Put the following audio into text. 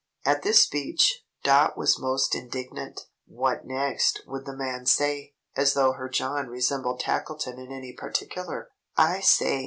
At this speech, Dot was most indignant. What next would the man say? As though her John resembled Tackleton in any particular! "I say!